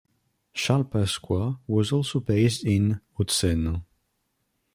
Charles Pasqua was also based in Hauts-de-Seine.